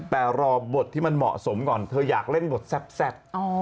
แต่รอบบทที่มันเหมาะสมก่อนเธออยากเล่นบทแซ่บ